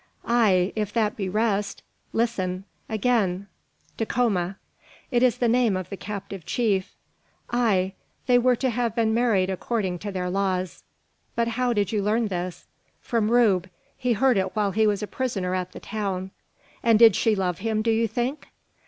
"Ay, if that be rest. Listen! again `Dacoma.'" "It is the name of the captive chief." "Ay; they were to have been married according to their laws." "But how did you learn this?" "From Rube: he heard it while he was a prisoner at the town." "And did she love him, do you think?"